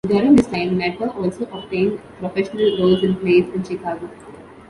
During this time, Knepper also obtained professional roles in plays in Chicago.